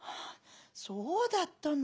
「そうだったの。